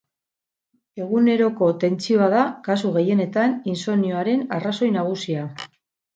Eguneroko tentsioa da kasu gehienetan insomnioaren arrazoi nagusia.